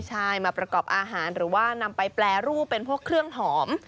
ใช่มาประกอบอาหารหรือว่านำไปแปรรูปเป็นพวกเครื่องหอม